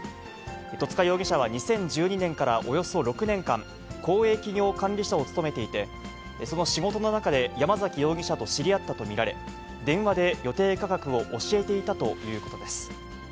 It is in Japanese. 戸塚容疑者は２０１２年からおよそ６年間、公営企業管理者を務めていて、その仕事の中で山崎容疑者と知り合ったと見られ、電話で予定価格を教えていたということです。